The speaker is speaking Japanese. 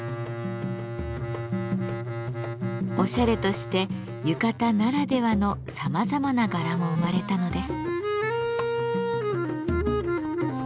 おしゃれとして浴衣ならではのさまざまな柄も生まれたのです。